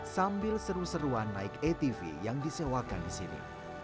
sambil seru seruan naik atv yang disewakan di sini